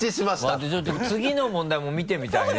まぁちょっと次の問題も見てみたいね。